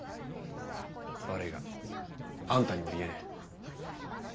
悪いがあんたにも言えねえ。